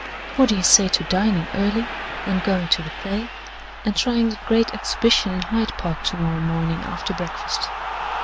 What do you say to dining early, and going to the play, and trying the Great Exhibition in Hyde Park to morrow morning, after breakfast?